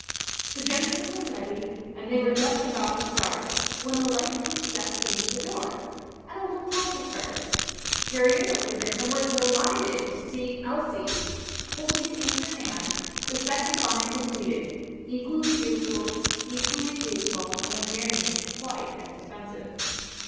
The gentlemen were ready, and they were just about to start, when a light quick step came to the door, and a little tap was heard. Harriett opened it, and was delighted to see Elsie holding in her hand the second bonnet completed equally beautiful, equally tasteful, and apparently quite as expensive.